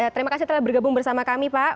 terima kasih telah bergabung bersama kami pak